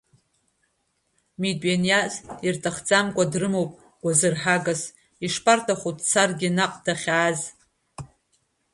Митә ианиаз ирҭахӡамкәа дрымоуп гәазырҳагас, ишԥарҭаху дцаргьы наҟ, дахьааз.